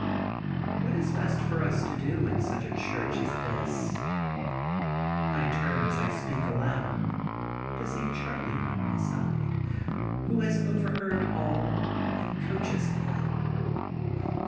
"What is best for us to do in such a church as this?" I turn as I speak aloud, to see Charley by my side, who has overheard all, and coaches me.